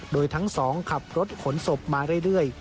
โดยทั้งสองขับรถขนศพมาเรื่อย